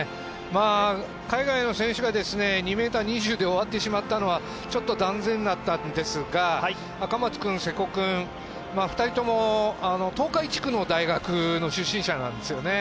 海外の選手が２ｍ２０で終わってしまったのはちょっと残念だったんですが、赤松君、瀬古君、２人とも、東海地区の大学の出身者なんですね。